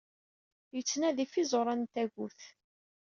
Yettnadi ɣef iẓuran n tagut.